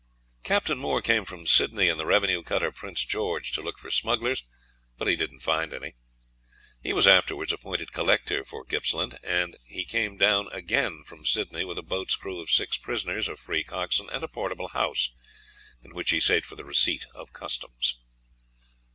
Captain Moore came from Sydney in the revenue cutter 'Prince George' to look for smugglers, but he did not find any. He was afterwards appointed collector for Gippsland, and he came down again from Sydney with a boat's crew of six prisoners, a free coxswain, and a portable house, in which he sate for the receipt of Customs.